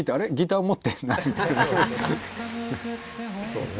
そうね。